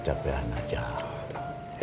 begitu aja items ya